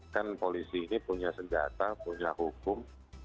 kan polisi ini punya senjata punya hukum